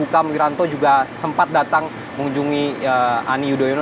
kang wiranto juga sempat datang mengunjungi ani yudhoyono